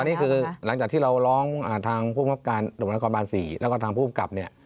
ตอนนี้คือหลังจากที่เราร้องทางภูมิภาพการดรบาล๔แล้วก็ทางภูมิภูมิกลับเนี่ย